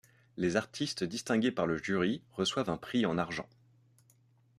Les artistes distingués par le jury reçoivent un prix en argent.